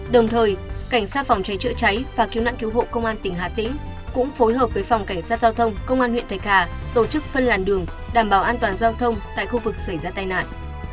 đồng thời cảnh sát phòng cháy chữa cháy và cứu nạn cứu hộ công an tỉnh hà tĩnh cũng phối hợp với phòng cảnh sát giao thông công an huyện thạch hà tổ chức phân làn đường đảm bảo an toàn giao thông tại khu vực xảy ra tai nạn